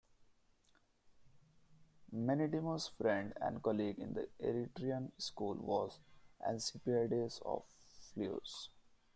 Menedemus' friend and colleague in the Eretrian school was Asclepiades of Phlius.